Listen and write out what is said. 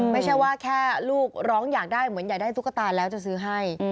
ไม่ใช่ว่าแค่ลูกร้องอยากได้เหมือนอยากได้ตุ๊กตาแล้วจะซื้อให้